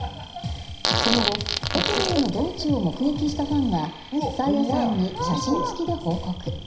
その後ホテルへの道中を目撃したファンがサーヤさんに写真付きで報告。